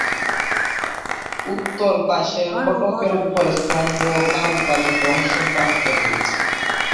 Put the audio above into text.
উত্তর পাশের ফটকের ওপরের স্তম্ভ ও কারুকাজ ধ্বংসপ্রাপ্ত হয়েছে।